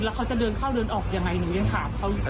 แล้วเขาจะเดินเข้าเดินออกยังไงหนูยังถามเขาอยู่